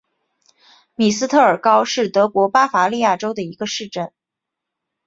米斯特尔高是德国巴伐利亚州的一个市镇。